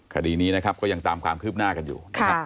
คดีนี้นะครับก็ยังตามความคืบหน้ากันอยู่นะครับ